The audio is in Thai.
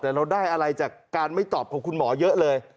แต่เราได้อะไรจากการไม่ตอบของคุณหมอเยอะเลย